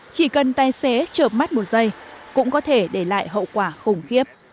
chỉ cần tài xế chợp mắt một giây cũng có thể để lại hậu quả khủng khiếp